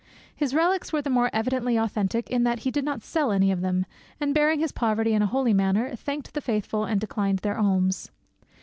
His relics were the more evidently authentic in that he did not sell any of them, and, bearing his poverty in a holy manner, thanked the faithful and declined their alms.